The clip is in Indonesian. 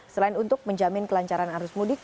selain untuk menjamin kelancaran arus mudik